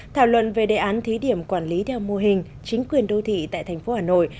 thảo luận về đề án thí điểm quản lý theo mô hình chính quyền đô thị tại thành phố hà nội